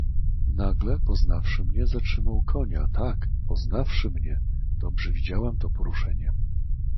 "Nagle, poznawszy mnie, zatrzymał konia, tak, poznawszy mnie... dobrze widziałam to poruszenie."